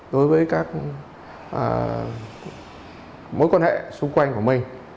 đối với các mối quan hệ xung quanh của mình